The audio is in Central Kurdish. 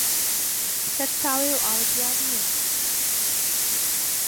سەرچاوەی ئەو ئاوە دیار نییە